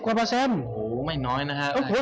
ไม่น้อยนะครับ